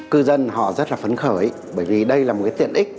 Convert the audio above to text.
cư dân họ rất là phấn khởi bởi vì đây là một cái tiện ích